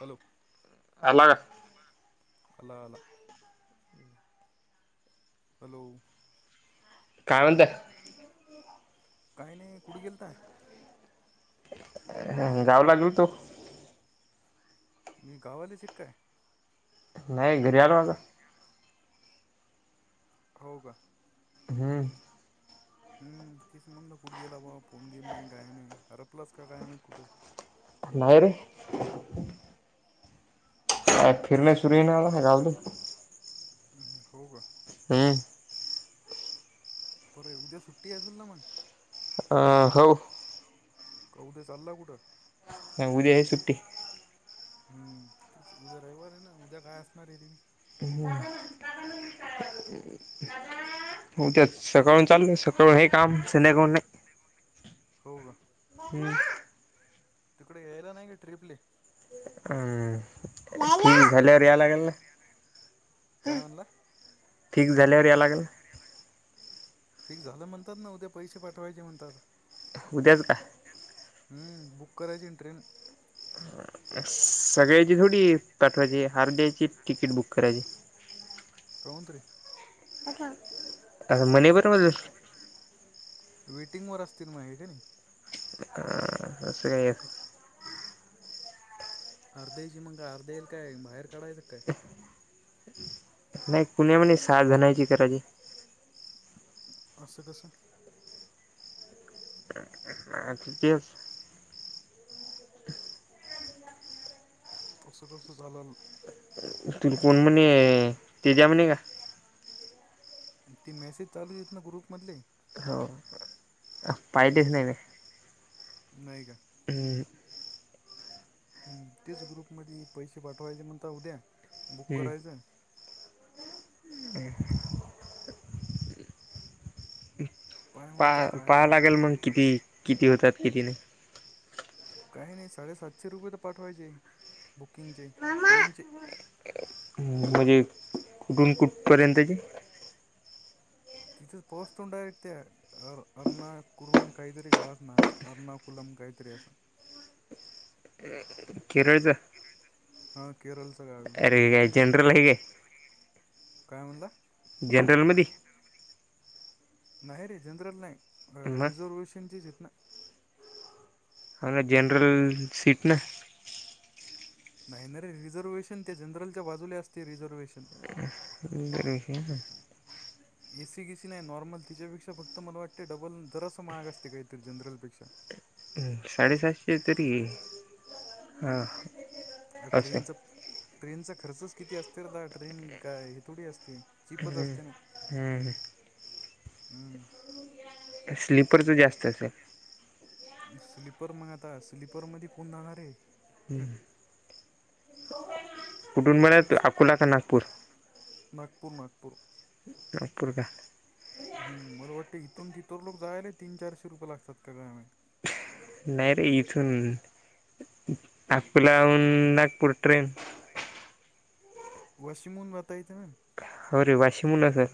Hello. अला काय. अला आला. हॅलो. काय म्हणत. काही नाही कुठे गेलता. गावला गेलतो. मी गावालेच एका आहे. नाही घरी आलो ना आता. घरी आलो. हो का. हम्. हम्म तीच म्हणल कुठ गेला बाबा फोन गेले नाही गाय नाही अर प्लस कायम माहित कुठं. नाहीय रे. अ फिरणे सुरू ये नाही आला गालू. हो का. हम्. पर उद्या सुट्टी असेल ना मग. अ हो. क कुठे चाललं कुठं. नाही उद्या आहे सुट्टी. हम्म तेच उद्या रविवार आहे ना उद्या काय असणार आहे ते. हो. हो त्या तू सकाळून चाल सकाळून हे काम संध्याकाळी नाही. नाही म [unintelligible] हो का. हम्म. तिकडे यायला नाही काी ट्र्रीपले. हम्. ठी झाल्यावर या लागल ना. काय म्हनला. ठीक झाल्यावर या लागेल ना. फिक्स झालं म्हणतात ना उद्या पैसे पाठवायचे म्हणतात. उद्याच का हम्म बुक करायची ना ट्रेन सगळ्याची थोडी पाठवायची हर ्याची तिकीट बुक करायची. कोणत रे. अचा अस म्हणे बर. वेटिंग वर असतील मा हे का नाही. [inaudible] अस काय. अर्ध्यायची मग का अर्ध येईल काय बाहेर काढायचं काय? नाही कण्या म्ह साथ जनायची करायची असं कसं. ह अ् तेस पुसकोसस झालून. तु कोण म्हणे तेजा म्हणे का. ती मेसेज चालू येत ना ग्रुप मधले.. हो. पाहितीच नाही नाही. नाहीय का. [inaudible] तेच ग्रुपमध्ये पैसे पाठवायचे म्हणता उद्या बुक हम्म करायचं. पाय मग आता पाहा काय पहावं ते. लागेल मग किती किती होतात किती नाही. काही नाही साडेसातशे रुपये तर पाठवायचे बुकिंगचे ट्रेनचे म्हणजे कुठून कुठपर्यंतची तिथच पोस्तडारक् त्या अ अर्णा कुरून काहीतरी गावात नाव अर्णाकुलम काहीतरी असं. केरळच हा केरळचं गाव आहे अरे काय तिथंच आहे. जनरल काय कायलला. जनरलमध्ये. नाही रे जनरल नाही मग रिझर्वेशनचीचित ना. हंग जनरल सीट न नाही नाही रे रिझर्ववेहेशन ते जनरलच्या बाजूला असते रिझर्वे्हेशन. ठी एसी गिसी नाही नॉर्मल तिच्यापेक्षा फक्त मला वाटतें डबल जरासं महाग असते काहीतरी जनरलपेक्षा साडेसातशे तरी हां अ ट्रेनचा ट्रेनचा खर्चच किती असते र द ट्रेन काय ह थोडी असते. चीपच हम्म असते हम्म. हम् स्लीपरच जास्त असेल.. स्लीपर मग आता स्लीपरमध्ये कोण जाणार आहे. हम्म. कुठून म्हणा अकोला का नागपूर नागपूर नागपूर. नाग पुर का हम मला वाटतं इथून तिथर लोक जायला तीन चारशे रुपये लागतात का ग नाही रे इथून अकोलाून नागपूर ट्रेन वशिमून बता येत ना. रे वाशी मुखं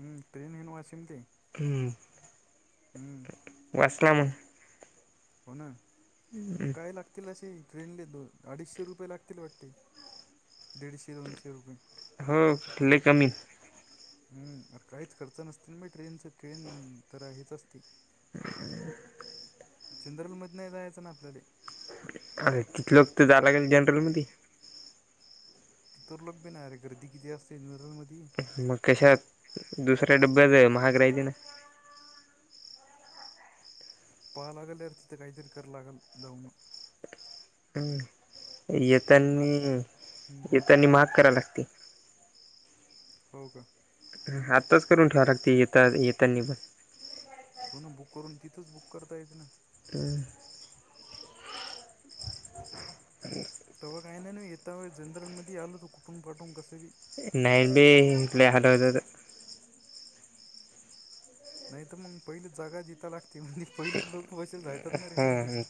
हम्म. ट्रेन येनवा सेम ते हम्म. हम्म. यासला मग. हो ना, मग हम्म. काय लागतील असे ट्रेनले दो अडीचशे रुपये लागतील वाटते. दीडशे दोनशे रुपये. [unintelligible] कमी हम्म. अर काहीच खर्च नसतील ना म ट्रेनच, ट्रेन तर हेच असते. [unintelligible] जनरल मधन नाही जायचं ना आपल्याले. अरे किती लोक तर जायला लागेल. जनरल मध्ये, ति तर लोक बी नाही रे गर्दी किती असते. जनरल मधी, मग कशात, दुसऱ्या डब्यात अ.. महाग राहायचे ना. पाहावं लागल यार तिथं, काहीतरी करा लागल जाऊन. हम्म.. ना येतानी हम्म येतानी महाग करावी लागते. हो कां. आताच करून ठेवाव लागती. येेत येतानी पण, हो ना बुक करून, तिथंच बुक करता येतं ना. अ.. तेव्हा काही नाही येता व जनरल मध्ये, आलो त कुठून पाठवून कसं बी. नाही बी ली हाटवतात. नाही तर मग पहिली जागा जिथं लागते, म्हणे पहिलेच लोक बसेल राह ह.. ह..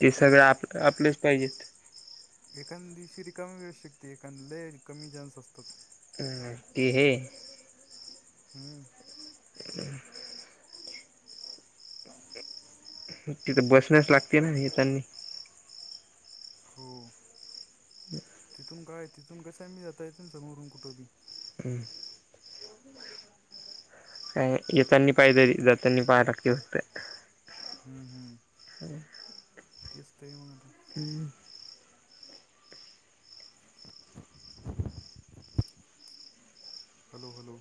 ते सगळ आप आपलेच पाहिजेत. एखान दिवशी रिकामी वेळ शकते, एखादला कमी चान्स असतात. हम.. ते हे. हम्म. [unintelligible] तिथं बसण्यास लागते, ना येतांनी. हो, तिथून काय तिथून कस आहे. मी जाता येत ना समोरून कुठं बी. हं. का येेतानी पाहि तरी जातानी, पा लागते वाटते. हम.. हम् तेस ते आहे मग आता. हम्. Hello hello.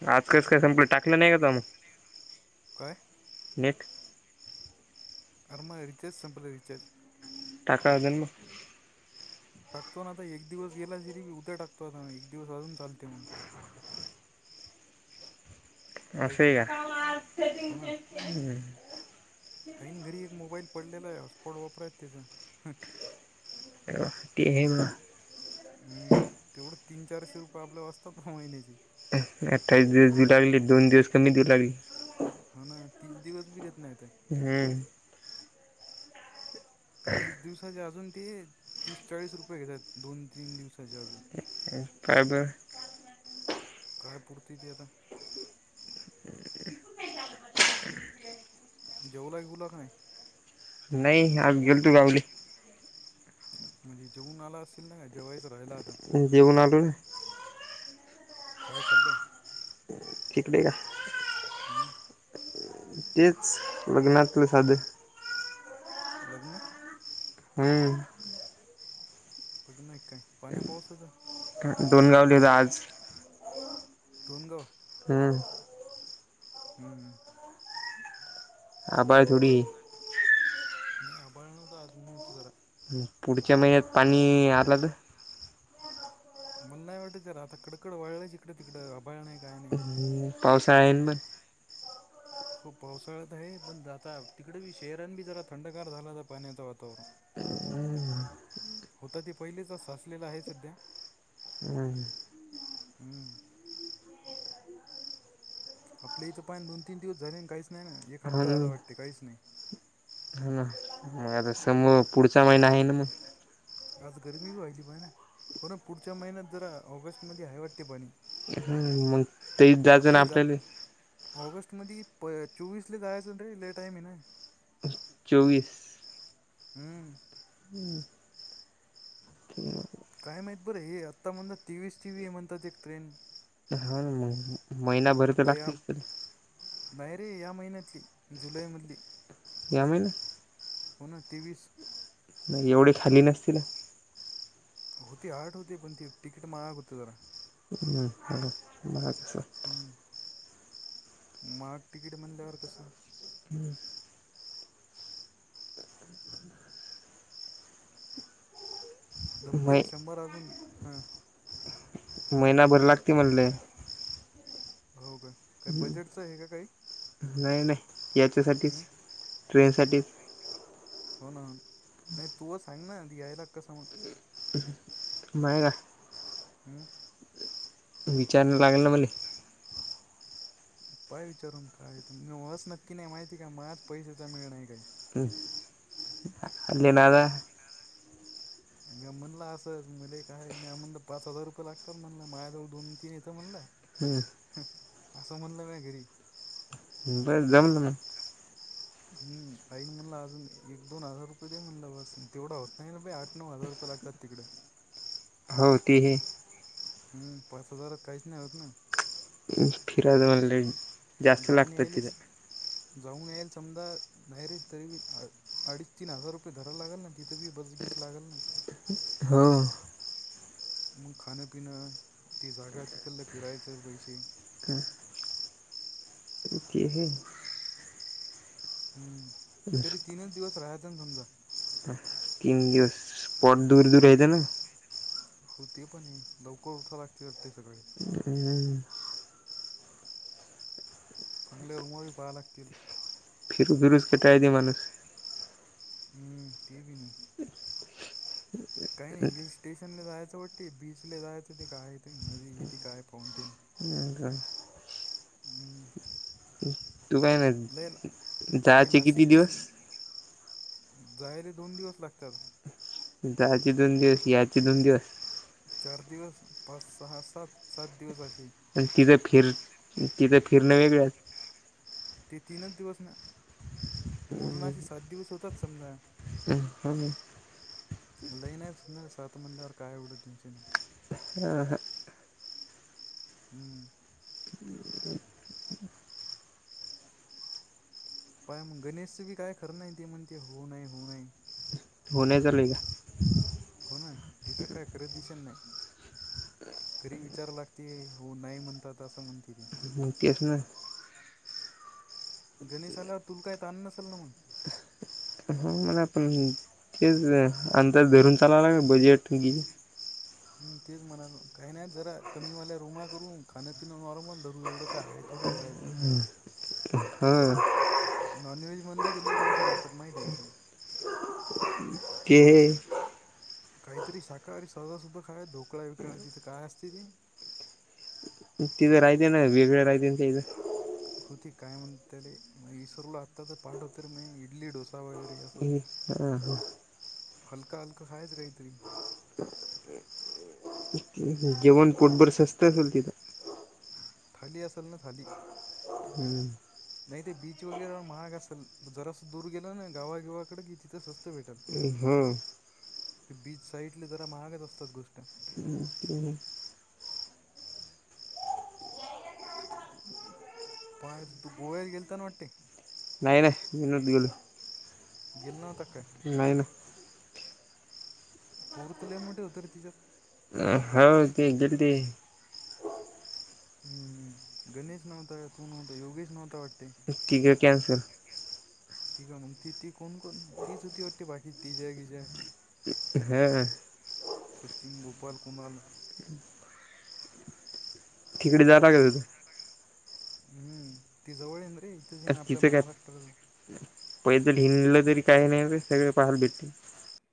आज कस काय संपलं, टाकलं नाही का तवा मग. काय. नेट. अरमा रिचार्ज संपला रिचार्ज. टाकाव [unintelligible] टाकतो ना आता एक दिवस गेला जरी, उद्या टाकतो आ एक दिवस अजून चालते मग. आहे का नाही असे का हम्म. हाईन घरी एक मोबाईल पडलेला आहे, हॉस स्पॉट वापरयाच तेज. ते हे मग. हम्म, तेवढं तीन चारशे रुपये आपल वाजतात महिन्याची. अठ्ठावीस दिवस देऊ लागली, दोन दिवस कमी देऊ लागली. हो ना, तीस दिवस बी देत नाही ते. हम्म. तीस दिवसाचे अजून ते, तीस चाळीस रुपये घेतात दोन तीन दिवसाचे अजून. काय ब. काय, पुरती ते आता. जेवला बिवला नाय. नाही आम्ही गेलतो गावाले. म्हणजे जेऊन आला असेल ना, का जेवायच राहिलात? जेऊन आलो ना. खाय खाल्लय? इकडे या. हम. तेच लग्नातलं साध लग्न? हम्म. पुढ नाही काय पाण्या पावसाचं? डोंबिवलीला आज कोणगो? [unintelligible] हम्म. हम्म. आबारी आहे थोडी. नाही आबाळ नवत आज, ऊन होतं जरा. पुढच्या महिन्यात. पाणी [unintelligible] पाण आला आलं. मला नाही वाटत तर आता कडकड वळलं आहे इिकडे तिकडं, अभाळ नाही काय नाही. तर पावसाळा आहे म हो पावसाळ्यात आहे, पण जाता तिकडे बी शहरन बी जरा थंडगार झाला तर पाण्याचं वातावरण. हम. कुठं ते पहिलीचच साचलेल आहे सध्या, पण हम्म. आपले इथं पान दोन तीन दिवस झाले काहीच नाही ना, एक हप्ता झाला वाटते काहीच नाही. हन मग [unintelligible] पुढचा महिना आहे ना मग. आज गरमी होऊ राहिली होना, पण पुढच्या महिन्यात जरा ऑगस्ट मध्ये आहे वाटते पाणी. हम म. आपल्या ऑगस्ट मदि चोवीस ला जायचं रे, ले टाईम आहे ना? चोवीस. हम्म. हम्म. काय माहीत बरं हे आत्ता म्हण, तेवीसची बी हाय हे म्हणतात एक ट्रेन. हा ना मग महिना भर तर लागते. नाहीयरीे या महिन्यातली जुलैमधली. या महिन्यात? पुन तेवीस नाही एवढे खाली नसतील ना. होती आठ होती पण ते तिकीट महाग होत जरा. ह बालाे सर [unintelligible] हम्, महाग तिकीट म्हणल्यावर कसं? हम्म. दमते मै का शंभर अजून, हा. महिनाभर लागते म्हणले. हो का, काय बजेटचं आहे का काही? नाही नाही याच्यासाठीच हम्म ट्रेनसाठीच. हो ना नाही तू अ सांग ना, यायला कस मग? नाय का? हम्म. विचारयला लागेल ना मले. पाय विचारून, काय ते. मी वस नक्की नाही, माहिती काय. माह्याच पैशाचा मेळ नाही काय. ह [unintelligible] दादा. म्या म्हणला असंच, मले काय म्या म्हणलं, पाच हजार रुपये लागतात. म्हणलं, माझ्याजवळ दोन -तीन येतं म्हणलं. हम्म. ह, असं म्हणलं म्या, घरी. बर जमलं मग. हम्. आईन म्हणला, अजून एक -दोन हजार रुपये दे. म्हणलं, बस तेवढा होत नाही ना बे आठ नऊ हजार रुपय लागत्यात, तिकडं. हो, ती ही हम. पाच हजारात, काईच नाही होत ना. फिरायचं मनल, जास्ती जाऊन लागतात यायलेच तिथं. जाऊन यायचं. समजा, नाही री तरी बी आ अडीच- तीन हजार रुपये धराव लागेल ना. तिथं बी, बस गीस लागल ना. हो. मग खाणं- पिणं. ती जागा, तिथल फिरायचं पैसे. अ हं. हम्म. तरी तीनच दिवस, राहायचं ना समजा. तीन दिवस. स्पॉट दूर- दूर यत ना. [unintelligible] हो ते पणय. लवकर उठाव लागते वाटते, सगळे. हम्म. आणल्यावर मुवी पाहा लागतील. फिरु दि [unintelligible] [unintelligible] हम्म, ते बी नाही. काही नाही, हिल स्टेशनले जायाचं वाटते. बीचले जायाचं. ते काय ते, नदी बिधी, काय फाउंटेन. ह. हम्म. तू काय लय [unintelligible] हे जायाचे किती दिवस? जायले, दोन दिवस लागतात. जायचे दोन दिवस, याचे दोन दिवस. चार दिवस. पाच, सहा, सात. सात दिवस अशी. अन् तिथं फिर, तिथं फिरणं वेगळच. [unintelligible] ते तीनच दिवस ना. मोजून असे सात दिवस होतात, समजा. लई नाही न. सात म्हणल्यावर, काय एवढं टेन्शनय. ह, ह. हम्म. पाय मग, गणेशचं बी काय खरं नाही. ते म्हणते हो, नाही. हो, नाही. हो, नाही चालूय का? हो ना. तीचं काय, खरंच दिशन नाही. घरी विचाराव लागते. हो, नाही म्हणतात. असं म्हणती ते हो, तेच ना. गणेश आल्यावर, तुल काय ताण नसेल ना, मग. हा मला पण, तेच अंदाज धरून चालावं लाग, बजेट गिजे हम्, तेच म्हणालो. काही नाही जरा, कमीवाल्या रुमा करू. खाणं -पिणं नॉर्मल धरू. एवढं काय. थोडीच रहायचं. [inaudible] ह. नॉनव्हेज मनलं की, लय पैसे लागतात. माहितीय का? ते य. काहीतरी शाकाहारी सज सुद्धा खा ढोकळ्या विकळ्या तिथे काय असते ते तिथं राहते ना वेगळे राहते तेथं होती काय म्हण त्याले म इसरूला आत्ता तर पाठवत म इडली डोसा वगैरे अस ह हा ह हलका हलका खायच काहीतरी जेवण पोटभर शस्त असेल तिथं खाली असेल ना थाली हम्म नाही ते बीच वगैरे महाग असेल जरासं दूर गेलं ना गावागिवाकडे की तिथं स्वत भेटेल हा ते बीच साईटले जरा महागच असतात गोष्ट हम् ह पण तू गोव्यात गेलताना वाटते नाही नाही दनत गलो गिल् तक नाही ना पूर्तले मोठे होतर तिच्यात होा ते गल्दी हम्म् गणेश नव्हता तू नव्हता योगेश नव्हता वाटते कक कॅनसल ती का मग ती ती कोण कोण तीचती वाटते बाकी ती जे की जय हा सचिन गोपाल कुणाल ठिकडी जाला का तथ हम्म ती जवळ येन रे इथे जी ना आपल्या महाराष्ट्रला पहि जरी हिडलं तरी काही नाही सगळ पाहाल भेटे